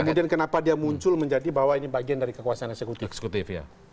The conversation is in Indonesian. kemudian kenapa dia muncul menjadi bahwa ini bagian dari kekuasaan eksekutif eksekutif ya